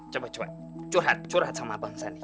coba coba curhat curhat sama bang sandi